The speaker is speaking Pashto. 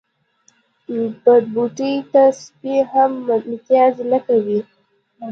بد بوټي ته سپي هم متازې نه کوی.